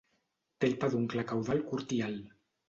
Té el peduncle caudal curt i alt.